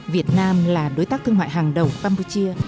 việt nam là đối tác thương mại hàng đầu campuchia